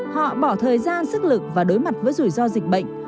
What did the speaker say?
họ bỏ thời gian sức lực và đối mặt với rủi ro dịch bệnh